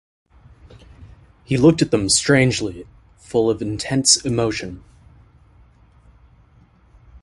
He looked at them strangely, full of intense emotion.